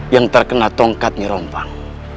yang terkena tongkatnya rompang